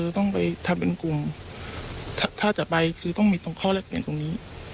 ต้องทำอย่างไร